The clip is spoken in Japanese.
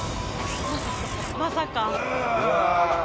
まさか。